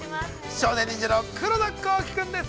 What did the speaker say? ◆少年忍者の黒田光輝君です。